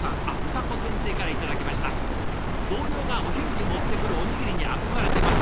「同僚がお昼に持ってくるおにぎりに憧れてます。